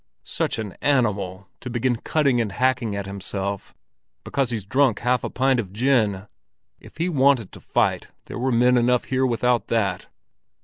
"Such an animal to begin cutting and hacking at himself because he's drunk half a pint of gin! If he wanted to fight, there were men enough here without that!"